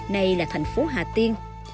này là thành phố hà tiên